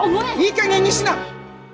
いいかげんにしな！